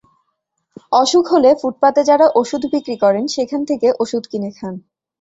অসুখ হলে ফুটপাতে যাঁরা ওষুধ বিক্রি করেন, সেখান থেকে ওষুধ কিনে খান।